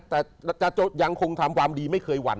แต่จะยังคงทำความดีไม่เคยหวั่น